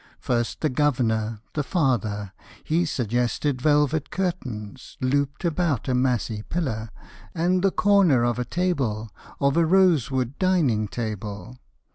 First the Governor, the Father: He suggested velvet curtains Looped about a massy pillar; And the corner of a table, Of a rosewood dining table.